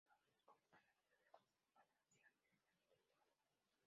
Fenómenos como el pandeo se asocian directamente a este valor.